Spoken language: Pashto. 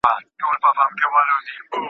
دی په خپلو پښو ولاړ او کار کوي.